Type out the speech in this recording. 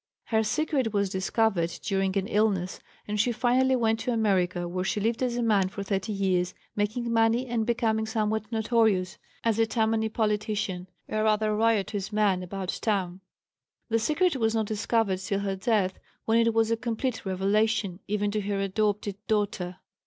Her secret was discovered during an illness, and she finally went to America, where she lived as a man for thirty years, making money, and becoming somewhat notorious as a Tammany politician, a rather riotous "man about town." The secret was not discovered till her death, when it was a complete revelation, even to her adopted daughter.